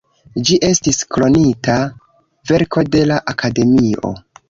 Ĝi estis "Kronita verko de la Akademio".